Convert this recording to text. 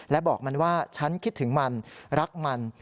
และบอกมันว่าฉันคิดถึงมันรักมัน